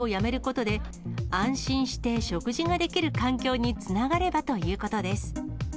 回転レーンでの提供をやめることで、安心して食事ができる環境につながればということです。